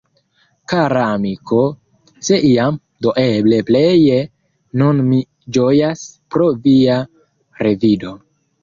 "Kara amiko, se iam, do eble pleje nun mi ĝojas pro via revido!